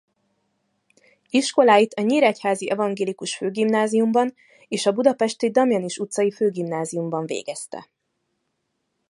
Iskoláit a nyíregyházi evangélikus főgimnáziumban és a budapesti Damjanich utcai főgimnáziumban végezte.